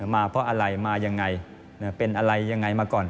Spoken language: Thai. มาเพราะอะไรมายังไงเป็นอะไรยังไงมาก่อน